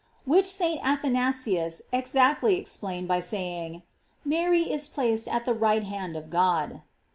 '^ Which St. Athanasius exactly explained by say ing: Mary is placed at the right hand of God.